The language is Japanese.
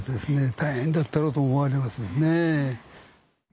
大変だったろうと思われますですねえ。